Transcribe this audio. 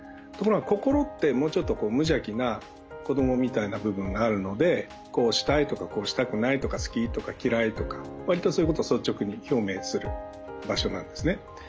ところが心ってもうちょっと無邪気な子どもみたいな部分があるのでこうしたいとかこうしたくないとかすきとかきらいとかわりとそういうことを率直に表明する場所なんですね。